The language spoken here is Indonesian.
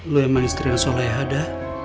lu emang istrinya soleh ya dada